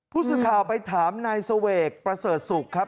ผู้สื่อข่าวไปถามนายเสวกประเสริฐศุกร์ครับ